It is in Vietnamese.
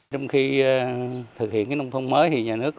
trong khi thực hiện nông thôn mới thì nhà nước